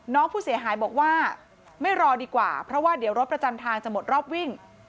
น้องผู้เสียหายบอกว่าไม่รอดีกว่าเพราะว่าเดี๋ยวรถประจำทางจะหมดรอบวิ่ง